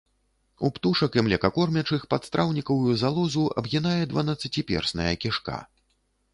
У птушак і млекакормячых падстраўнікавую залозу абгінае дванаццаціперсная кішка.